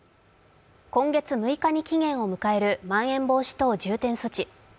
今月６日に期限を迎えるまん延防止等重点措置。